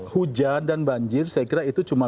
hujan dan banjir saya kira itu cuma